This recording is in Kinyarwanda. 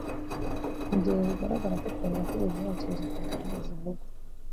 mu gihe bigaragara ko Kayihura atigeze yakira izo telefoni zivugwa